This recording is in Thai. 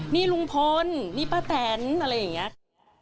นี่ลุงพลนี่ป้าแดนอะไรแบบนี้